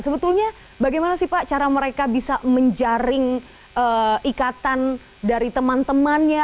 sebetulnya bagaimana sih pak cara mereka bisa menjaring ikatan dari teman temannya